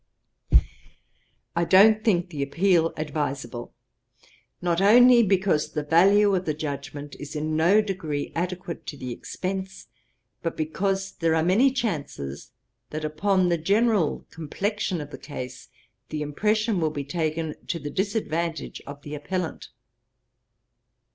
'I don't think the appeal adviseable: not only because the value of the judgement is in no degree adequate to the expence; but because there are many chances, that upon the general complexion of the case, the impression will be taken to the disadvantage of the appellant.